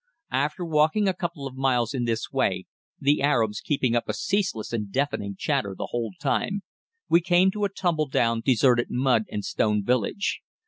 After walking a couple of miles in this way, the Arabs keeping up a ceaseless and deafening chatter the whole time, we came to a tumbledown deserted mud and stone village.